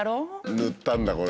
塗ったんだこれ。